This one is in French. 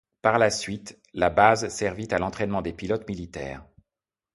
Par la suite, la base servit à l'entrainement de pilotes militaires.